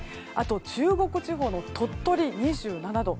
中国地方の鳥取、２７度。